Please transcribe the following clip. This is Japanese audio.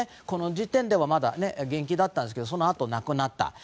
この時点ではまだ元気だったんですけどそのあと亡くなった。